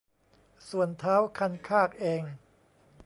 ส่วนท้าวคันคากเอง